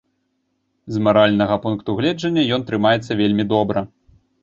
З маральнага пункту гледжання ён трымаецца вельмі добра.